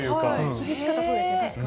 響き方、そうですね、確かに。